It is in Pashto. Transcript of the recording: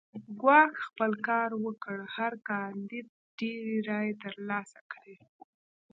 ګواښ خپل کار وکړ هر کاندید ډېرې رایې ترلاسه کړې.